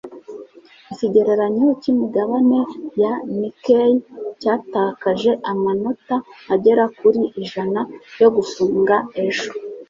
ikigereranyo cy'imigabane ya nikkei cyatakaje amanota agera kuri ijana yo gufunga ejo